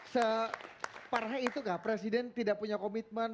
separah itu nggak presiden tidak punya komitmen